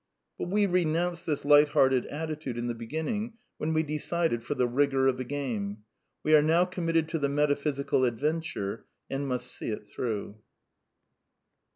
But we renounced this light hearted attitude in the be ginning when we decided for the rigour of the game. We are now committed to the metaphysical adventure, and must see it through.